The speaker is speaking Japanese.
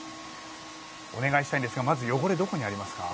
お願いしたいんですがまず汚れどこにありますか。